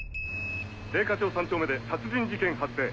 米花町三丁目で殺人事件発生。